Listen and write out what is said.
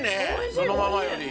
そのままより。